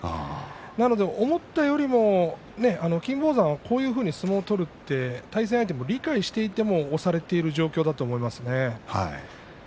なので思ったよりも金峰山が、こういうふうに相撲を取ると相手は理解していても押されている状況だと思いますね。